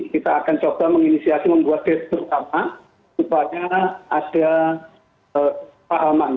kita akan coba menginisiasi membuat desk bersama supaya ada pahaman